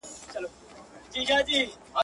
چي خواست کوې، د آس ئې کوه.